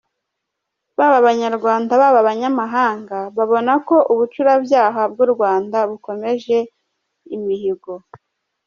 Baba abanyarwanda, baba abanyamahanga, babona ko ubucurabyaha bw’u Rwanda bukomeje imihigo.